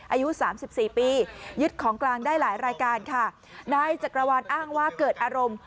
อายุสามสิบสี่ปียึดของกลางได้หลายรายการค่ะนายจักรวาลอ้างว่าเกิดอารมณ์